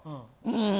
うん。